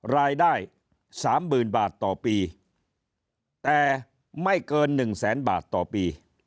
รายได้๓๐๐๐บาทต่อปีแต่ไม่เกิน๑แสนบาทต่อปี